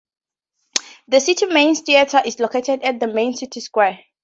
The city's main theater is located at the main city square.